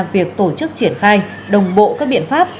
việc tổ chức triển khai đồng bộ các biện pháp